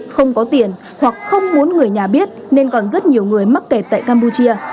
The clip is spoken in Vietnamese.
không có tiền hoặc không muốn người nhà biết nên còn rất nhiều người mắc kẹt tại campuchia